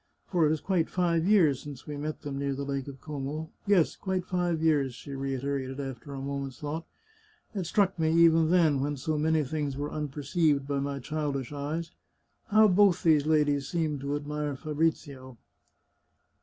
For it is quite five years since we met thera near the Lake of Como. Yes, quite five years," she re iterated after a moment's thought. " It struck me even then, when so many things were unperceived by my childish eyes. How both those ladies seemed to admire Fabrizio